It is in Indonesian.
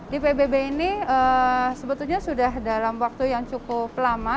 di pbb ini sebetulnya sudah dalam waktu yang cukup lama